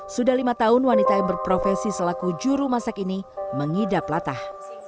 sudah lima tahun wanita yang berprofesi selaku juru masak ini mengidap latah